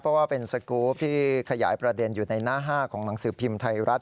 เพราะว่าเป็นสกรูปที่ขยายประเด็นอยู่ในหน้า๕ของหนังสือพิมพ์ไทยรัฐ